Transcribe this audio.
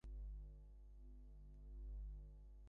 বললেন, বাবা, নিজেকে নিয়ে এ কী পরীক্ষা চলেছে।